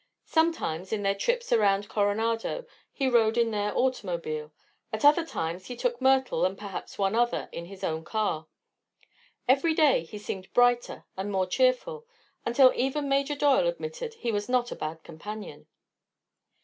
Sometimes in their trips around Coronado he rode in their automobile, at other times he took Myrtle, and perhaps one other, in his own car. Every day he seemed brighter and more cheerful, until even Major Doyle admitted he was not a bad companion.